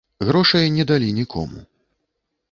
Грошай не далі нікому.